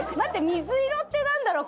水色ってなんだろう？